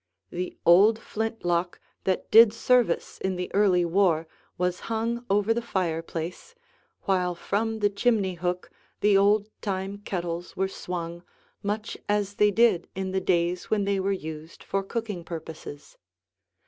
The old flint lock that did service in the early war was hung over the fireplace, while from the chimney hook the old time kettles were swung much as they did in the days when they were used for cooking purposes.